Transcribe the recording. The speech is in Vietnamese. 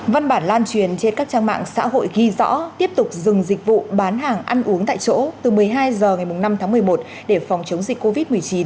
văn bản lan truyền trên các trang mạng xã hội ghi rõ tiếp tục dừng dịch vụ bán hàng ăn uống tại chỗ từ một mươi hai h ngày năm tháng một mươi một để phòng chống dịch covid một mươi chín